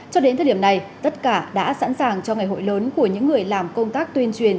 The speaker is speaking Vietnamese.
cho đến thời điểm này tất cả đã sẵn sàng cho ngày hội lớn của những người làm công tác tuyên truyền